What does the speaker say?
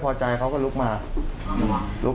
ผมก็เลยบอกพี่เดี๋ยวรอนึง